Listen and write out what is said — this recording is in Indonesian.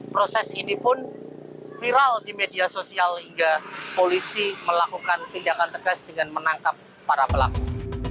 proses ini pun viral di media sosial hingga polisi melakukan tindakan tegas dengan menangkap para pelaku